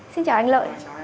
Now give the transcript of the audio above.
xin chào anh lợi